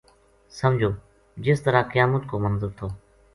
سمجھو جس طرح قیامت کو منظر تھو